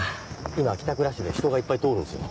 今帰宅ラッシュで人がいっぱい通るんですよ。